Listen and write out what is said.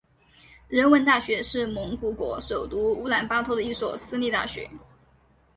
人文大学是蒙古国首都乌兰巴托的一所私立大学。